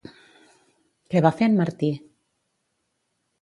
Que va fer en Martí?